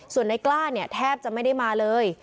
ส่วนในกล้าเนี่ยแทบจะไม่ได้มาเลย